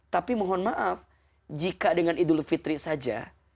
tapi mohon maaf jika dengan idul fitri saja